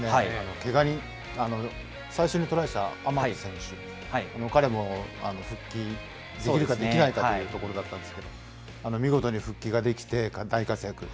けが人、最初にトライした選手、彼も復帰できるかできないかというところだったんですけれども、見事に復帰ができて大活躍。